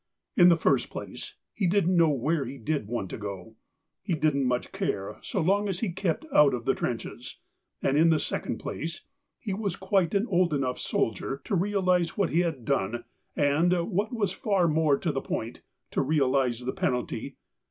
In the first place, he didn't know where he did want to go ; he didn't much care so long as he kept out of the trenches ; and in the second place, he was quite an old enough soldier to realise what he had done and, what was far more to the point, to realise the penalty.